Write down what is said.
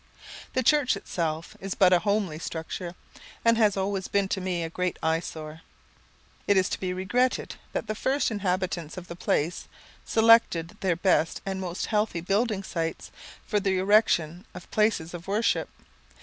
The church itself is but a homely structure; and has always been to me a great eyesore. It is to be regretted that the first inhabitants of the place selected their best and most healthy building sites for the erection of places of worship.